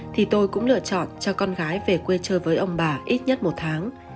thì tôi cũng lựa chọn cho con gái về quê chơi với ông bà ít nhất một tháng